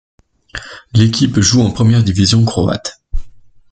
L'équipe joue en première division croate.